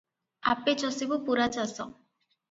"ଆପେ ଚଷିବୁ ପୂରା ଚାଷ